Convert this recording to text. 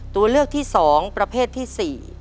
ตัวเลือกที่๒ประเภทที่๔